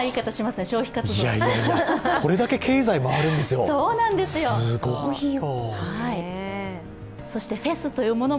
これだけ経済が回るんですよ、すごいよ。